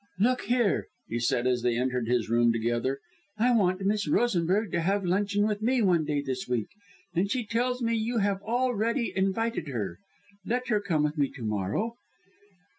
"Look here!" he said, as they entered his room together, "I want Miss Rosenberg to have luncheon with me one day this week, and she tells me you have already invited her. Let her come with me to morrow."